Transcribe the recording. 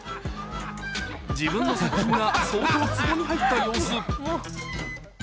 自分の作品が相当ツボに入った様子。